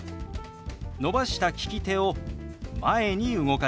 伸ばした利き手を前に動かします。